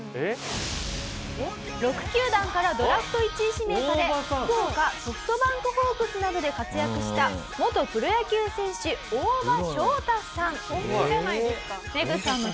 ６球団からドラフト１位指名され福岡ソフトバンクホークスなどで活躍した本気じゃないですか。